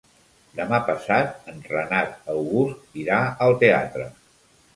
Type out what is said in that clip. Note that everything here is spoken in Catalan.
Demà passat en Renat August irà al teatre.